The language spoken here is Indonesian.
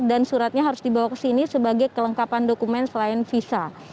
dan suratnya harus dibawa ke sini sebagai kelengkapan dokumen selain visa